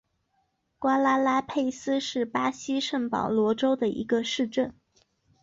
瓜拉拉佩斯是巴西圣保罗州的一个市镇。